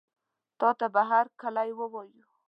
تاته به هرکلی ووایو.